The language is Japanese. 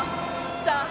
さあ！